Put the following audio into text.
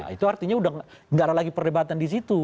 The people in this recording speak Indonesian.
itu artinya tidak ada lagi perdebatan di situ